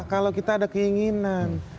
kalau kita ada keinginan